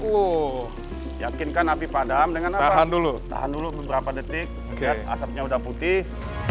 woh yakinkan api padam dengan apa tahan dulu beberapa detik asapnya udah putih